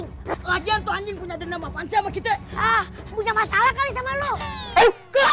jo rich neng tu anjing anjing apa bible knows blue